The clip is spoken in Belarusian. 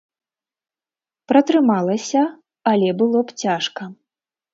Пратрымалася, але было б цяжка.